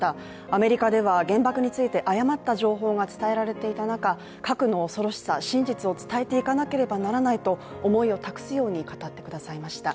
アメリカでは原爆について誤った情報が伝えられていた中核の恐ろしさ、真実を伝えていかなければならないと思いを託すように語ってくださいました。